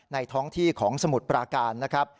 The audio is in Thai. ท้องที่ของสมุทรปราการนะครับ